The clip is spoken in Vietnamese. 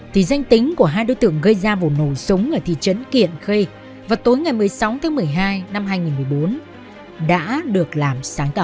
thì danh tính của hai đối tượng gây ra vụ nổ súng ở thị trấn kiện khê vào tối ngày một mươi sáu tháng một mươi hai năm hai nghìn một mươi bốn đã được làm sáng tạo